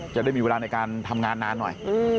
จะได้มีเวลาในการทำงานนานหน่อย